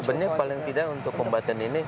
sebenarnya paling tidak untuk pembatain ini